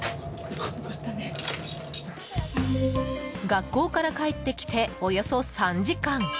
学校から帰ってきておよそ３時間。